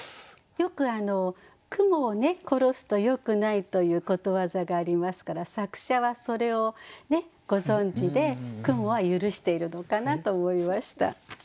よく蜘蛛を殺すとよくないということわざがありますから作者はそれをご存じで蜘蛛は許しているのかなと思いました。